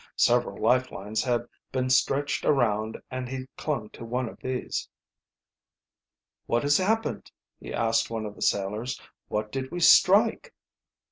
Several life lines had been stretched around and he clung to one of these. "What has happened?" he asked of one of the sailors. "What did we strike?"